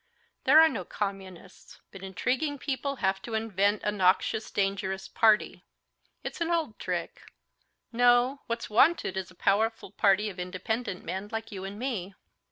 There are no communists. But intriguing people have to invent a noxious, dangerous party. It's an old trick. No, what's wanted is a powerful party of independent men like you and me."